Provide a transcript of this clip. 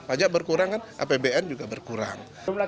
pajak berkurang kan apbn juga berkurang